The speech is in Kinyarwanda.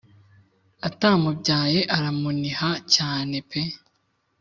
atamubyaye aramuniha cyane pe